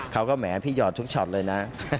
แหมพี่หยอดทุกช็อตเลยนะ